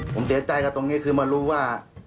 ผมเสียใจกับตรงนี้คือมารู้ว่า